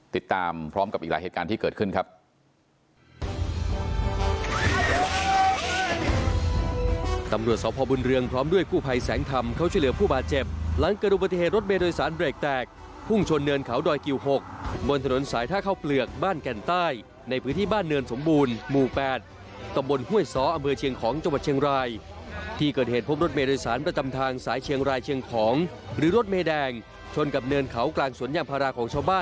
ติดตามพร้อมกับอีกหลายเหตุการณ์ที่เกิดขึ้นครับ